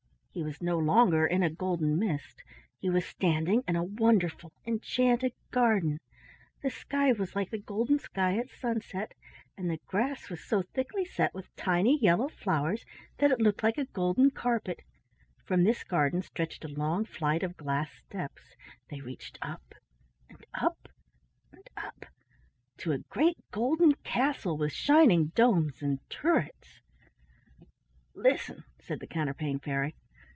He was no longer in a golden mist. He was standing in a wonderful enchanted garden. The sky was like the golden sky at sunset, and the grass was so thickly set with tiny yellow flowers that it looked like a golden carpet. From this garden stretched a long flight of glass steps. They reached up and up and up to a great golden castle with shining domes and turrets. "Listen!" said the Counterpane Fairy.